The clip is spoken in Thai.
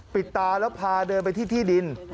ปิดตาแล้วพาเดินไปที่ที่ดิน